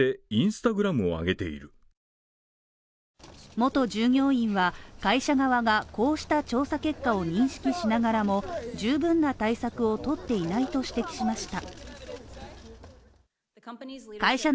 元従業員は会社側がこうした調査結果を認識しながらも十分な対策をとっていないと指摘しました。